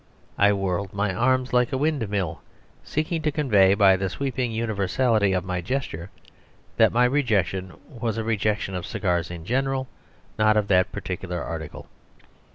I whirled my arms like a windmill, seeking to convey by the sweeping universality of my gesture that my rejection was a rejection of cigars in general, not of that particular article.